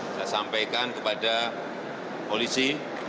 saya sampaikan kepada polisi